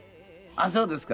「あっそうですか」